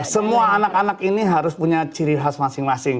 semua anak anak ini harus punya ciri khas masing masing